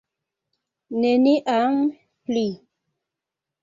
Neniam pli.